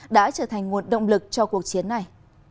đã trở thành nguồn động lực cho cuộc chiến này